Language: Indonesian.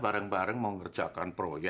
biar emang enggak bisa ke kalemnya